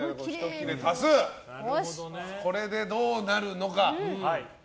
これで、どうなるのか。